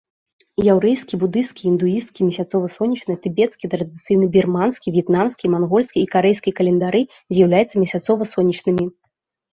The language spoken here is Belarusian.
Яўрэйскі, будысцкі, індуісцкі месяцава-сонечны, тыбецкі, традыцыйны бірманскі, в'етнамскі, мангольскі і карэйскі календары з'яўляюцца месяцава-сонечнымі.